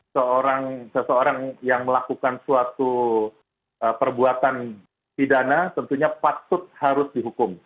seseorang yang melakukan suatu perbuatan pidana tentunya patut harus dihukum